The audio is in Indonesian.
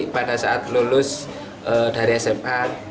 pada saat lulus dari sma